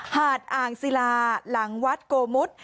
หาดอ่างศิลาหลังวัดโกมุท